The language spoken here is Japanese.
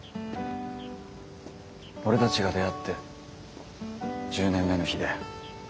俺たちが出会って１０年目の日だよ。